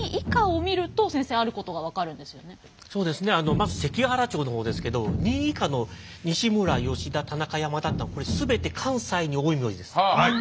まず関ケ原町の方ですけど２位以下の西村吉田田中山田っていうのは全て関西に多い名字です。